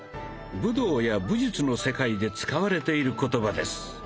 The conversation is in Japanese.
武道や武術の世界で使われている言葉です。